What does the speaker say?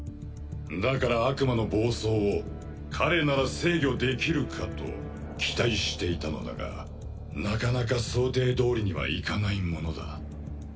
だから悪魔の暴走を彼なら制御できるかと期待していたのだがなかなか想定どおりにはいかないものだ。